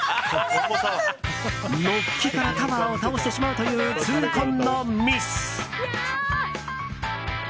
のっけからタワーを崩してしまうという痛恨のミス！